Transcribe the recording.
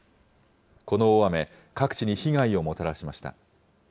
この大雨、各地に被害をもたらしました。